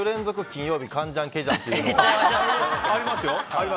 金曜日ありますよ。